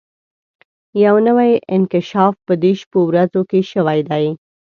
يو نوی انکشاف په دې شپو ورځو کې شوی دی.